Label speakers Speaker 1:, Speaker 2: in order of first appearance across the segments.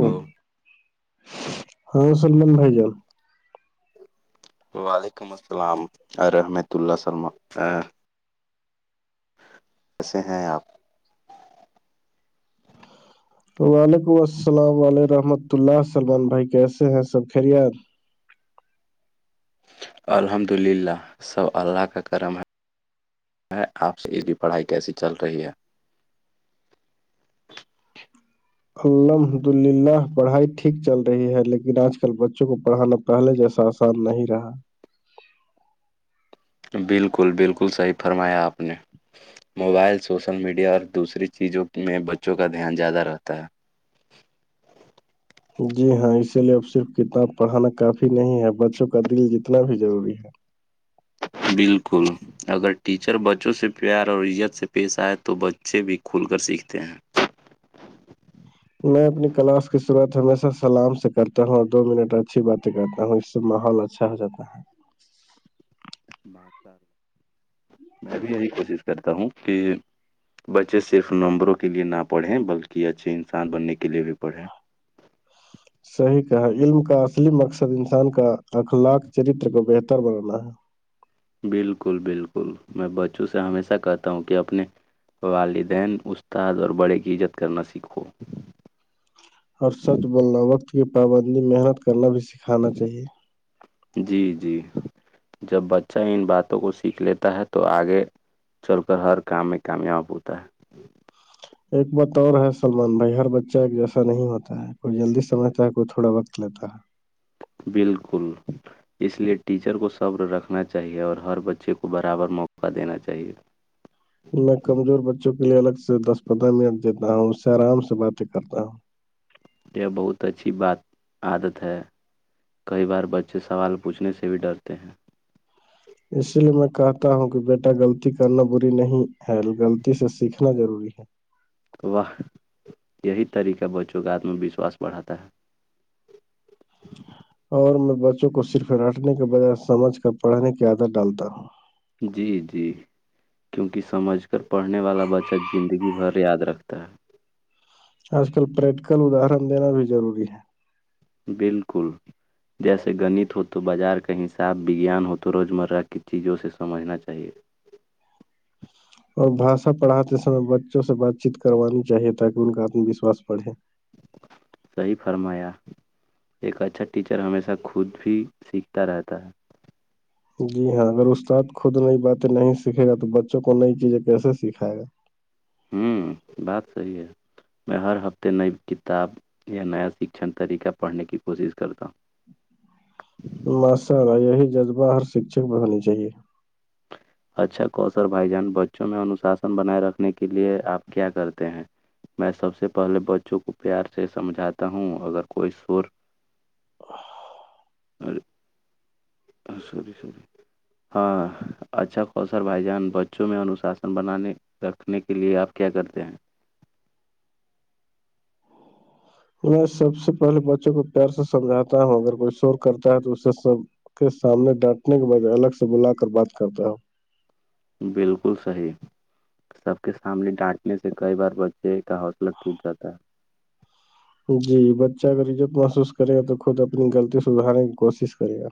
Speaker 1: تو
Speaker 2: ہاں سلمان بھائی جان
Speaker 1: وعلیکم السلام رحمت اللہ س کیسے ہیں آپ
Speaker 2: وعلیکم السلام علم رحمت اللہ سلمان بھائی کیسے ہیں سب خیریت
Speaker 1: الحمد للہ سب اللہ کا کرم ہے میں آپ سے ا کی پڑھائی کیسی چل رہی ہے
Speaker 2: الحمد للہ پڑھائی ٹھیک چل رہی ہے لیکن آج کل بچوں کو پڑھانا پہلے جیسا آسان نہیں رہا
Speaker 1: بالکل بالکل صحیح فرمایا آپ نے موبائل سوسل میڈیا اور دوسری چیزوں میں بچوں کا دھیان زیادہ رہتا ہے
Speaker 2: جی ہاں اسی لیے اب صرف کتاب پڑھانا کافی نہیں ہے بچوں کا دل جتنا بھی ضروری ہے
Speaker 1: بالکل اگر ٹیچر بچوں سے پیار اور عزت سے پیش آئے تو بچے بھی کھل کر سیکھتے ہیں
Speaker 2: میں اپنی کلاس کی شروعات ہمیشہ سلام سے کرتا ہوں اور دو منٹ اچھی باتیں کرتا ہوں اس سے ماحول اا اچھا ہو جاتا ہے
Speaker 1: میں بھی یہی کوشش کرتا ہوں کہ بچے صرف نمبروں کے لیے نہ پڑھیں بلکہ اچھے انسان بننے کے لیے بھی پڑھیں
Speaker 2: صحیح کہا علم کا اصلی مقصد انسان کا اخلاق چرتر کو بہتر بنانا ہے
Speaker 1: بالکل بالکل میں بچوں سے ہمیشہ کہتا ہوں کہ اپنے والدین استاد اور بڑے کی عزت کرنا سیک ہو
Speaker 2: اور سچ بولنا وقت کی پابندی محنت کرنا بھی سکھانا چاہیے
Speaker 1: جی جی جب بچہ ان باتوں کو سیکھ لیتا ہے تو آگے چل کر ہر کام میں کامیاب ہوتا ہے
Speaker 2: ایک بات اور ہے سلمان بھائی ہر بچہ ایک جیسا نہیں ہوتا ہے کوئی جلدی سمجھتا ہے کوئی تھوڑا وقت لیتا ہے
Speaker 1: بالکل اس لیے ٹیچر کو صبر رکھنا چاہیے اور ہر بچے کو برابر موقع دینا چاہیے
Speaker 2: میں کمزور بچوں کے لیے الگ سے دس پدہ مت دیتا ہوں اس سے آرام سے باتیں کرتا ہوں
Speaker 1: یہ بہت اچھی بات عادت ہے کئی بار بچے سوال پوچھنے سے بھی ڈرتے ہیں
Speaker 2: اسی لیے میں کہتا ہوں کہ بیٹا غلطی کرنا بری نہیں ہے غلطی سے سیکھنا ضروری ہے
Speaker 1: تو وہ یہی طریقہ بچوں کا آتم وشواس بڑھاتا ہے
Speaker 2: اور میں بچوں کو صرف رٹنے کے بجائے سمجھ کر پڑھنے کی عادت ڈالتا ہوں
Speaker 1: جی جی کیونکہ سمجھ کر پڑھنے والا بچہ زندگی بھر یاد رکھتا ہے
Speaker 2: آج کل پریکٹیکل ادرن دینا بھی ضروری ہے
Speaker 1: بالکل جیسے گنت ہو تو بازار کا حساب وگیان ہو تو روز مرہ کی چیزوں سے سمجھنا چاہیے
Speaker 2: اور بھاشا پڑاتے سمے بچوں سے بات چیت کروانی چاہیے تاکہ ان کا آتم وشواس بڑھے
Speaker 1: صحی فرمایا ایک اچھا ٹیچر ہمیشہ خود بھی سیکھتا رہتا ہے
Speaker 2: جی ہاں اگر استاد خود نئی باتیں نہیں سیکھے گا تو بچوں کو نئی چیزیں کیسے سکھائے گا
Speaker 1: ہوں بات صحی ہے میں ہر ہفتے نئی کتاب یا نیا شکھن طریقہ پڑھنے کی کوشش کرتا ہوں
Speaker 2: ماشاء اللہ یہی جذبہ ہر شکھک پہ ہونی چاہیے
Speaker 1: اچھا کوشر بھائی جان بچوں میں انوشاسن بنائے رکھنے کے لیے آپ کیا کرتے ہیں میں سب سے پہلے بچوں کو پیار سے سمجھاتا ہوں اگر کوئی سر [unintelligible] [unintelligible] ہاں اچھا کوسل بھائی جان بچوں میں انوشاسن بنانے رکھنے کے لیے آپ کیا کرتے ہیں
Speaker 2: میں سب سے پہلے بچوں کو پیار سے سمجھاتا ہوں اگر کوئی شور کرتا ہے تو اس سے سب کے سامنے ڈانٹنے کے بجائے الگ سے بلا کر بات کرتا ہوں
Speaker 1: بالکل صحیح سب کے سامنے ڈانٹنے سے کئی بار بچے کا حوصلہ ٹوٹ جاتا ہے
Speaker 2: جی بچہ اگر عزت محسوس کرے گا تو خود اپنی غلطی سدھارنے کی کوشش کرے گا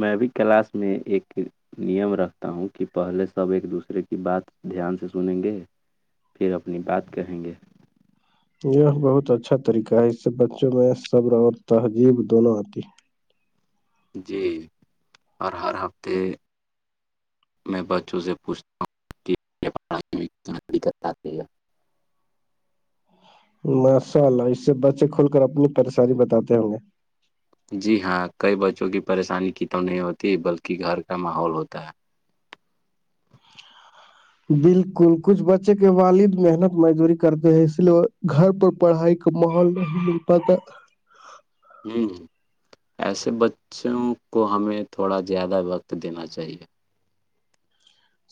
Speaker 1: میں بھی کلاس میں ایک نیم رکھتا ہوں کہ پہلے سب ایک دوسرے کی بات دھیان سے سنیں گے پھر اپنی بات کہیں گے
Speaker 2: یہ بہت اچھا طریقہ ہے اس سے بچوں میں صبر اور تہذیب دونوں آتی ہے
Speaker 1: جی اور ہر ہفتے میں بچوں سے پوچھتا ہوں کہ پڑھائی
Speaker 2: ماشاءاللہ اس سے بچے کھول کر اپنی پریشانی بتاتے
Speaker 1: جی ہاں کئی بچوں کی پریشانی کی توم نہیں ہوتی بلکہ گھر کا ماحول ہوتا ہے
Speaker 2: بالکل کچھ بچے کے والد محنت مزدوری کرتے ہیں اس لیے گھر پر پڑھائی [inaudible]
Speaker 1: ایسے بچوں کو ہمیں تھوڑا زیادہ وقت دینا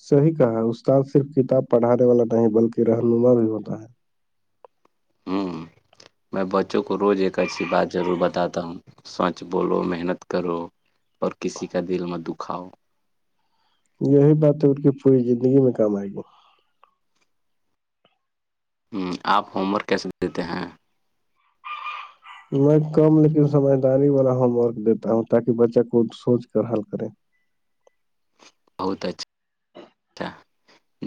Speaker 2: صحیح کہا ہے استاد صرف کتاب پڑھانے والا نہیں بلکہ رہنما بھی ہوتا ہے
Speaker 1: ہوں
Speaker 2: [inaudible]
Speaker 1: میں بچوں کو روز ایک اچھی بات ضرور بتاتا ہوں سچ بولو محنت کرو اور کسی کا دل مت دکھاؤ
Speaker 2: یہی بات ان کی پوری زندگی میں کام ائے گی
Speaker 1: ہوں آپ ہوم ورک کیسے دیتے ہیں
Speaker 2: میں کم لیکن سمجھداری والا ہوم ورک دیتا ہوں تاکہ بچہ خود سوچ کر حل کرے
Speaker 1: بہت اچھا اچھا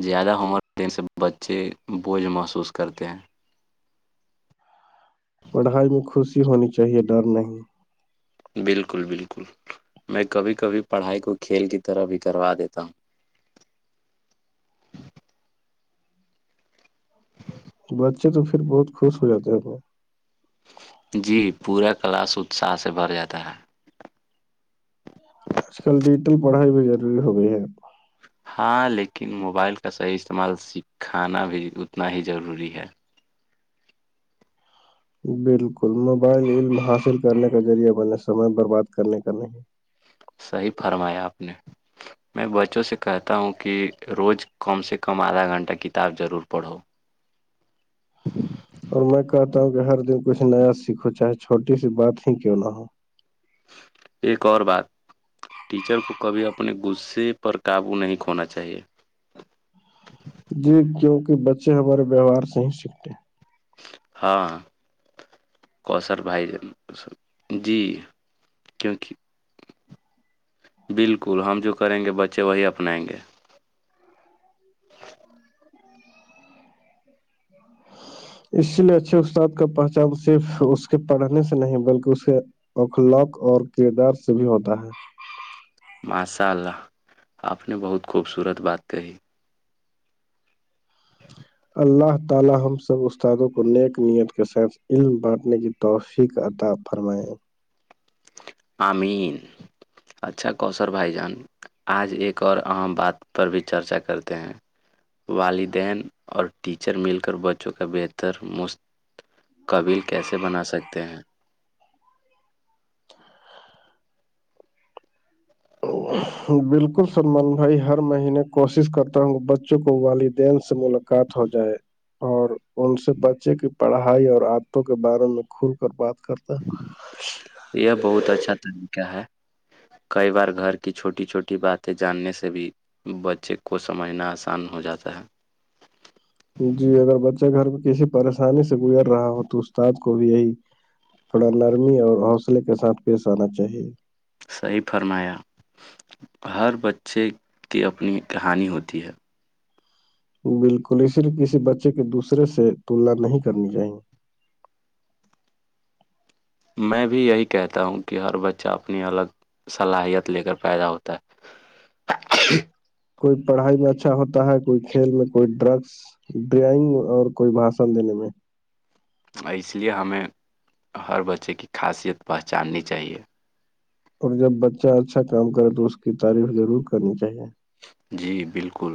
Speaker 1: زیادہ ہوم ورک سے بچے بوجھ محسوس کرتے ہیں
Speaker 2: پڑھائی میں خوشی ہونی چاہیے ڈر نہیں
Speaker 1: بالکل بالکل میں کبھی کبھی پڑھائی کو کھیل کی طرح بھی کروا دیتا ہو [inaudible]
Speaker 2: بچے تو پھر بہت خوش ہو جاتے ہیں
Speaker 1: جی پورا کلاس اتساہ سے بھر جاتا ہے
Speaker 2: آج کل ڈیجیٹل پڑھائی بھی ضروری ہو گئی ہے
Speaker 1: ہاں لیکن موبائل کا صحیح استعمال سکھانا بھی اتنا ہی ضروری ہے
Speaker 2: بالکل موبائل علم حاصل کرنے کا ذریعہ بیں سمے برباد کرنے کا نہیں
Speaker 1: صحیح فرمایا آپ نے میں بچوں سے کہتا ہوں کہ روز کم سے کم آدھا گھنٹہ کتاب ضرور پڑھو
Speaker 2: اور میں کہتا ہوں کہ ہر دن کچھ نیا سیکھو چاہے چھوٹی سی بات ہی کیوں نہ ہو
Speaker 1: ایک اور بات ٹیچر کو کبھی اپنے غصے پر قابو نہیں کھونا چاہیے
Speaker 2: جی کیوںکہ بچے ہمارے ویوہار سے ہی سیکھتے
Speaker 1: ہاں کوثر بھائی جی کیونکہ بالکل ہم جو کریں گے بچے وہی اپنائیں گے
Speaker 2: [inaudible] [inaudible] اس لیے اچھے استاد کا پہچان صرف اس کے پڑھنے سے نہیں بلکہ اس کے اخلاق اور کردار سے بھی
Speaker 1: ماشاء اللہ آپ نے بہت خوبصورت بات کہی
Speaker 2: اللہ تعالی ہم سے مستانے پہ نیک نیت کے ساتھ توفیق عطا فرمائے
Speaker 1: امین اچھا کوثر بھائی آج ایک اور اہم بات پر بھی چرچا کرتے ہیں والدین اور ٹیچر مل کر بچوں کا بہتر قبل کیسے بنا سکتے
Speaker 2: [inaudible] بالکل سلمان بھائی ہر مہینے کوشش کرتا ہوں بچے کو والدین ہو جائے اور ان سے بچے کی پڑھائی اور عادتوں کے بارے میں کھل کر بات کرتا
Speaker 1: یا بہت اچھا خیبر گھر کی چھوٹی چھوٹی باتیں جاننے سے بھی بچے کو سمجھنا
Speaker 2: جی اگر بچے گھر کے پیچھے برسانے سے گزر رہا ہو تو استاد کو بھی یہی اور نرمی اور حوصلے کے ساتھ یہ سارا چاہیے
Speaker 1: صحیح فرمایا ہر بچے کی اپنی کہانی ہوتی ہے
Speaker 2: بالکل اسر کسی بچے کے دوسرے سے تلنا نہیں کرنی چاہیے
Speaker 1: میں بھی یہی کہتا ہوں کہ ہر بچہ اپنی الگ صلاحیت لے کر پیدا ہوتا ہے [unintelligible]
Speaker 2: کوئی پڑھائی میں اچھا ہوتا ہے کوئی کھیل میں کوئی ڈرگس ڈرائنگ اور کوئی بھاشن دینے میں
Speaker 1: اور اس لیے ہمیں ہر بچے کی خاصیت پہچاننی چاہیے
Speaker 2: اور جب بچہ اچھا کام کرے تو اس کی تعریف ضرور کرنی چاہیے
Speaker 1: جی بالکل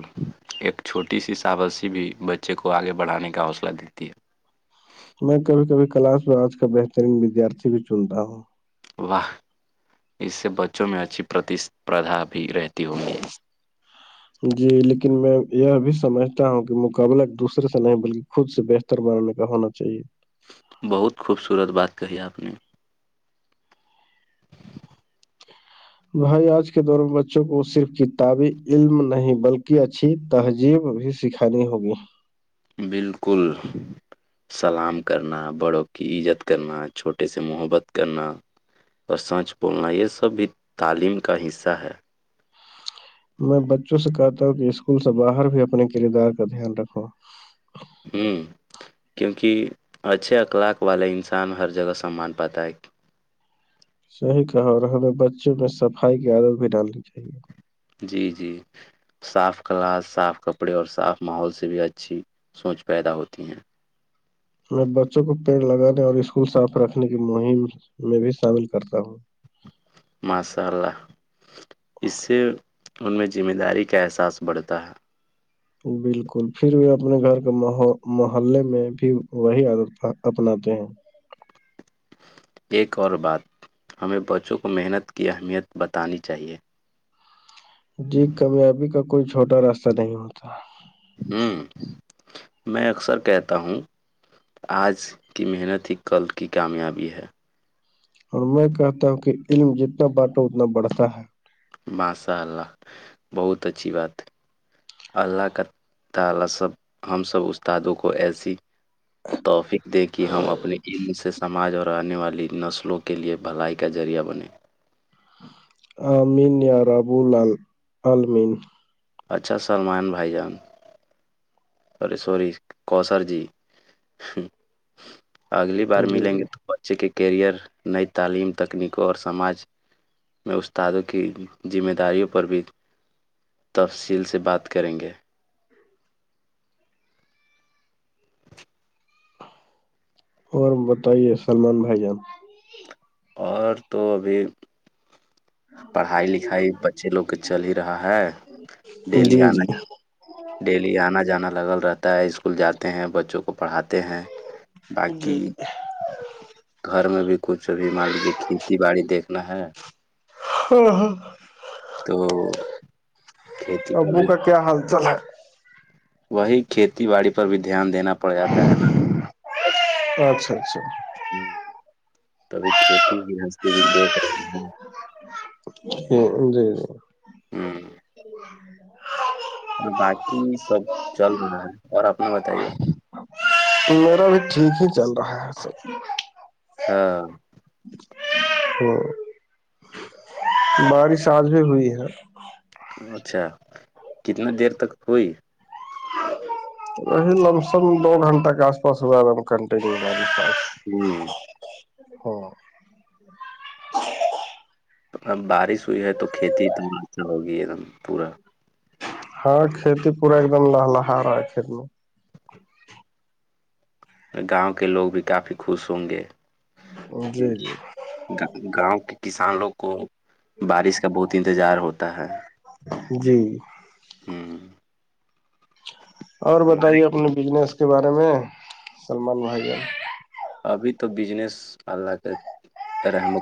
Speaker 1: ایک چھوٹی سی سابسیی بھی بچے کو آگے بڑھانے کا حوصلہ دیتی ہے
Speaker 2: میں کبھی کبھی کلاس میں آج کا بہترین ودیارتھی بھی چنتا ہوں
Speaker 1: ہے واہ اس سے بچوں میں اچھی پرتیسپردھا بھی رہتی ہوں گی
Speaker 2: جی لیکن میں یہ بھی سمجھتا ہوں کہ مقابلہ ایک دوسرے سے نہیں بلکہ خود سے بہتر بنانے کا ہونا چاہیے
Speaker 1: بہت خوبصورت بات کہی آپ نے
Speaker 2: [inaudible] بھائی آج کے دور میں بچوں کو صرف کتابی علم نہیں بلکہ اچھی تہذیب بھی سکھانی ہوگی
Speaker 1: بالکل سلام کرنا بڑوں کی عزت کرنا چھوٹے سے محبت کرنا اور سانچ بولنا یہ سب بھی تعلیم کا حصہ ہے
Speaker 2: میں بچوں سے کہتا ہوں کہ اسکول سے باہر بھی اپنے کردار کا دھیان رکھوں
Speaker 1: ہوں کیونکہ اچھے اخلاق والا انسان ہر جگہ سان پاتا ہے
Speaker 2: صحیح کہا اور ہمیں بچوں میں صفائی کی عادت بھی ڈالنی چاہیے
Speaker 1: جی جی صاف کلاس صاف کپڑے اور صاف ماحول سے بھی اچھی سوچ پیدا ہوتی ہیں
Speaker 2: میں بچوں کو پیڑ لگانے اور اسکول صاف رکھنے کی مہم میں بھی شامل کرتا ہوں
Speaker 1: ماشاء اللہ اس سے ان میں ذمہ داری کا احساس بڑھتا ہے
Speaker 2: بالکل پھر بھی اپنے گھر کے م محللے میں بھی وہی آدت اپناتے ہیں
Speaker 1: ایک اور بات ہمیں بچوں کو محنت کی اہمیت بتانی چاہیے
Speaker 2: جی کامیابی کا کوئی چھوٹا راستہ نہیں ہوتا
Speaker 1: ہوں میں اکثر کہتا ہوں آج کی محنت ہی کل کی کامیابی ہے
Speaker 2: اور میں کہتا ہوں کہ علم جتنا بانٹا اتنا بڑھتا ہے
Speaker 1: مساء اللہ بہت اچھی بات اللہ کا تعالی سب ہم سب استادوں کو ایسی توفق دیں کہ ہم اپنے علم سے سماج اور آنے والی نسلوں کے لئے بھلائی کا ذریعہ بنے
Speaker 2: آمین یا ربول المین
Speaker 1: اچھا سلمان بھائی جان سے سوری کوسر جی اگلی بار
Speaker 2: جی
Speaker 1: ملیں گے تو بچے کے کیریئر نئی تعلیم تکنیک اور سماج میں استادوں کی ذمہ داریوں پر بھی تفصیل سے بات کریں گے
Speaker 2: اور بتائیے سلمان بھائی جان
Speaker 1: اور تو ابھی پڑھائی لکھائی بچے لوگ کے چل ہی رہا ہے ڈیلی
Speaker 2: جی
Speaker 1: آنا
Speaker 2: جی
Speaker 1: جانا ڈیلی آنا جانا لگل رہتا ہے اسکول جاتے ہیں بچوں کو پڑھاتے ہیں
Speaker 2: جی
Speaker 1: باقی گھر میں بھی کچھ توب بھی مان لیجیے کھیتی باڑی دیکنا ہے تو کھیتی پر
Speaker 2: ابو
Speaker 1: بھی
Speaker 2: کا کیا حال چال ہے
Speaker 1: وہی کھیتی باڑی پر بھی دھیان دینا پڑ جاتا ہے نا
Speaker 2: اچھا اچھا
Speaker 1: توبھی کھیتی بھی ہستی بھی دیکھ رہے ہیں
Speaker 2: جی
Speaker 1: ہ
Speaker 2: جی
Speaker 1: اور باقی سب چل رہا ہے اور آپ نے بتائیے
Speaker 2: تو میرا بھی ٹھیک ہی چل رہا ہے س
Speaker 1: ہاں
Speaker 2: بارش آج بھی ہوئی ہے
Speaker 1: اچھا کتنا دیر تک ہوئی
Speaker 2: وہی لم سم دو گھنٹہ کے آس پاس ہوا ہے کنٹین
Speaker 1: ہوں
Speaker 2: ہاں
Speaker 1: اب بارش ہوئی ہے تو کھیتی تو اچھا ہوگی ایک دم پورا
Speaker 2: ہاں کھیتی پورا ایک دم لہلہا رہا ہے میں
Speaker 1: گاؤں کے لوگ بھی کافی خوش ہوں گے
Speaker 2: میں جی
Speaker 1: گاؤں کے کسان لوگ کو بارش کا بہت انتظار ہوتا ہے
Speaker 2: جی
Speaker 1: ہوں
Speaker 2: اور بتائیے اپنے بجنس کے بارے میں سلمان بھائی جان
Speaker 1: ابھی تو بجنس اللہ کےرحم